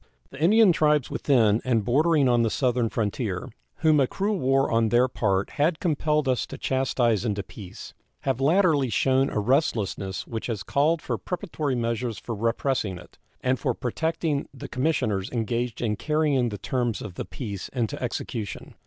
The Indian tribes within and bordering on the southern frontier, whom a cruel war on their part had compelled us to chastise into peace, have latterly shown a restlessness which has called for preparatory measures for repressing it, and for protecting the commissioners engaged in carrying the terms of the peace into execution.